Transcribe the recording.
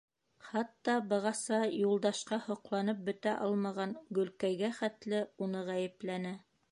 Хатта бығаса Юлдашҡа һоҡланып бөтә алмаған Гөлкәйгә хәтле уны ғәйепләне.